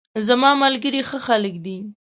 زماملګري ښه خلګ دي